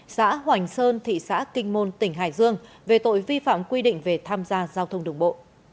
xã hoành sơn thị xã kinh môn tỉnh hải dương về tội vi phạm quy định về tham gia giao thông đường bộ